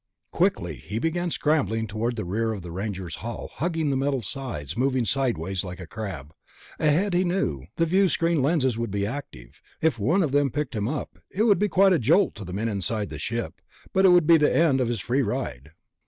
Quickly, he began scrambling toward the rear of the Ranger's hull, hugging the metal sides, moving sideways like a crab. Ahead, he knew, the viewscreen lenses would be active; if one of them picked him up, it would be quite a jolt to the men inside the ship ... but it would be the end of his free ride.